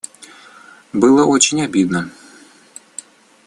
Было очень обидно.